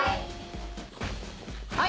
はい。